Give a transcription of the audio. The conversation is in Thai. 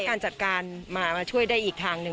การจัดการมาช่วยได้อีกทางหนึ่ง